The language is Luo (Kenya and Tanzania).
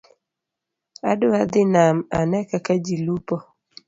Adwa dhi nam ane kaka ji lupo